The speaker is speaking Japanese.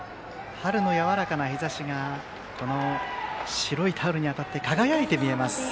春のやわらかな日ざしが白いタオルに当たって輝いて見えます。